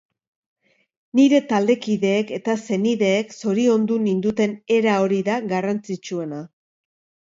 Nire taldekideek eta senideek zoriondu ninduten era hori da garrantzitsuena.